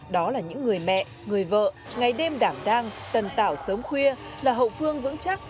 đó là những người mẹ người vợ ngày đêm đảm đang tần tảo sớm khuya là hậu phương vững chắc